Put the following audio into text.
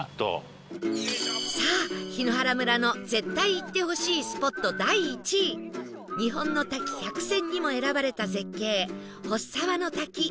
さあ檜原村の絶対行ってほしいスポット第１位日本の滝１００選にも選ばれた絶景払沢の滝